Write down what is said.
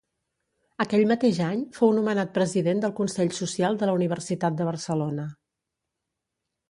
Aquell mateix any fou nomenat president del Consell Social de la Universitat de Barcelona.